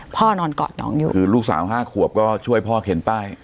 พ่อนอนกอดน้องอยู่คือลูกสาวห้าขวบก็ช่วยพ่อเข็นป้าย